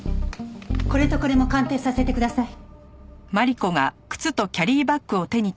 これとこれも鑑定させてください。